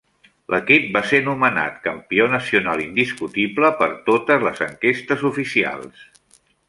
L'equip va ser nomenat "campió nacional indiscutible per totes les enquestes oficials".